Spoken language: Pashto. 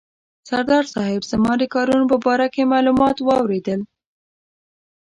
سردار صاحب زما د کارونو په باره کې معلومات واورېدل.